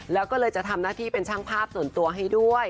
แล้วก็เลยจะทำหน้าที่เป็นช่างภาพส่วนตัวให้ด้วย